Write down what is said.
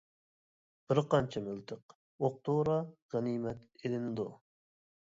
بىر قانچە مىلتىق، ئوق-دورا غەنىيمەت ئېلىنىدۇ.